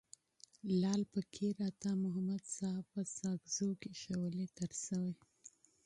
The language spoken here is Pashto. لعل فقیر عطا محمد صاحب په ساکزو کي ښه ولي تیر سوی.